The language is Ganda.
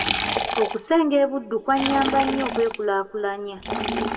Okusenga e Buddu kwannyamba nnyo okwekulaakulanya.